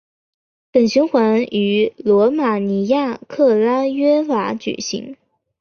本循环于罗马尼亚克拉约瓦举行。